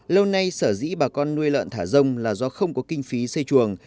lâu nay sở dĩ bà con nuôi lợn thả rông là do không có kinh phí xây chuồng